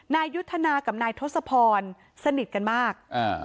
นายยุทธนากับนายทศพรสนิทกันมากอ่า